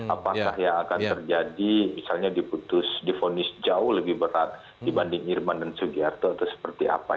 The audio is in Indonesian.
apakah yang akan terjadi misalnya diputus difonis jauh lebih berat dibanding irman dan sugiharto atau seperti apa